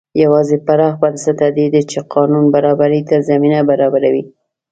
یوازې پراخ بنسټه دي چې قانون برابرۍ ته زمینه برابروي.